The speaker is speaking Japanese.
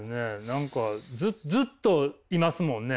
何かずっといますもんね。